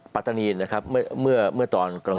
ปถนีครับเมื่อตอนกลวัน